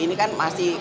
ini kan masih